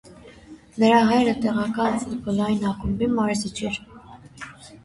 Նրա հայրը տեղական ֆուտբոլային ակումբի մարզիչն էր։